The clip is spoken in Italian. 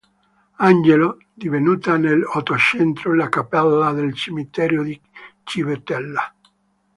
Angelo, divenuta nell’Ottocento la cappella del cimitero di Civitella.